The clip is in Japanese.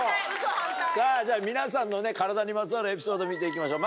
さぁじゃ皆さんの体にまつわるエピソード見ていきましょう